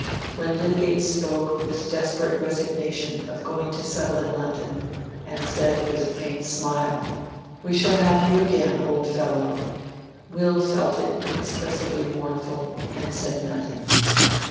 When Lydgate spoke with desperate resignation of going to settle in London, and said with a faint smile, "We shall have you again, old fellow," Will felt inexpressibly mournful, and said nothing.